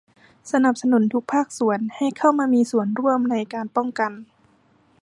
สนับสนุนทุกภาคส่วนให้เข้ามามีส่วนร่วมในการป้องกัน